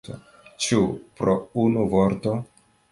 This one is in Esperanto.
Ĉu pro unu vorto?